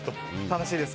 楽しい。